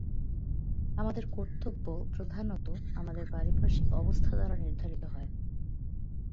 আমাদের কর্তব্য প্রধানত আমাদের পারিপার্শ্বিক অবস্থা দ্বারা নির্ধারিত হয়।